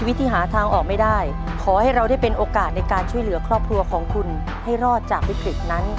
วันนี้ลาไปก่อนพบกันใหม่สวัสดีครับ